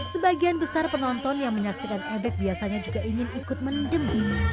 sebagian besar penonton yang menyaksikan ebek biasanya juga ingin ikut mendem ini